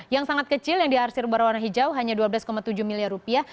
yang sangat kecil yang diarsir berwarna hijau hanya dua belas tujuh miliar rupiah